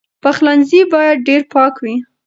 پخلنځی باید ډېر پاک وي.